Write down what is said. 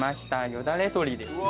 よだれ鶏ですね。